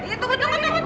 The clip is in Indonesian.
iya tunggu tunggu tunggu